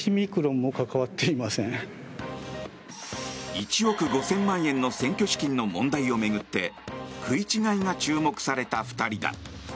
１億５０００万円の選挙資金の問題を巡って食い違いが注目された２人だ。